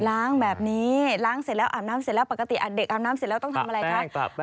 ล้างแบบนี้ล้างเสร็จแล้วอาบน้ำเสร็จแล้วปกติเด็กอาบน้ำเสร็จแล้วต้องทำอะไรคะ